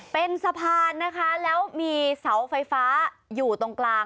เป็นสะพานนะคะแล้วมีเสาไฟฟ้าอยู่ตรงกลาง